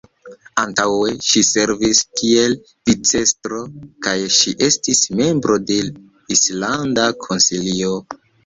Antaŭe ŝi servis kiel vicestro kaj ŝi estis membro de Islanda Konsilio.